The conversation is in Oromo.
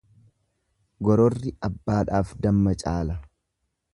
Gororri abbaadhaaf damma caala.